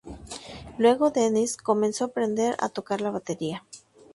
Luego Denis comenzó a aprender a tocar la batería.